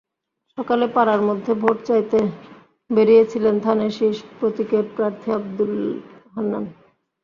সকালে পাড়ার মধ্যে ভোট চাইতে বেরিয়েছিলেন ধানের শীষ প্রতীকের প্রার্থী আবদুল হান্নান।